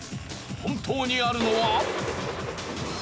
本当にあるのは。